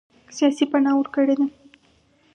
سیاسي پناه ورکړې ده.